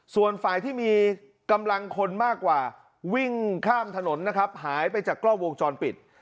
ส่วนฝ่ายที่มีกำลังคนมากกว่าวิ่งข้ามถนนนะครับหายไปจากกล้องวงจรปิด